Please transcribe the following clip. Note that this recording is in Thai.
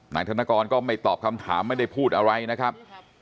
นายธนกรก็ไม่ตอบคำถามไม่ได้พูดอะไรนะครับ